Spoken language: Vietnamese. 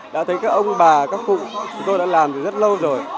đã thấy các ông bà các cụ chúng tôi đã làm từ rất lâu rồi